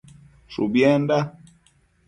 Shubienda